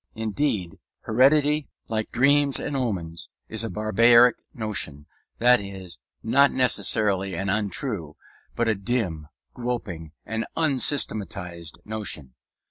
Indeed, heredity, like dreams and omens, is a barbaric notion; that is, not necessarily an untrue, but a dim, groping and unsystematized notion.